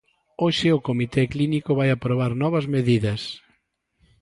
Hoxe o Comité Clínico vai aprobar novas medidas.